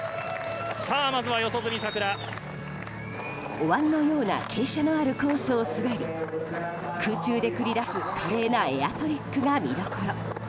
お椀のような傾斜のあるコースを滑り空中で繰り出す華麗なエアトリックが見どころ。